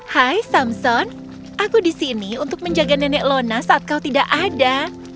hai samson aku di sini untuk menjaga nenek lona saat kau tidak ada